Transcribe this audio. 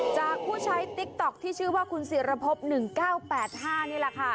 จากผู้ใช้ติ๊กต๊อกที่ชื่อว่าคุณสิรพพหนึ่งเก้าแปดห้านี่แหละค่ะ